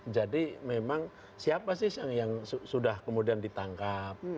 jadi memang siapa sih yang sudah kemudian ditambah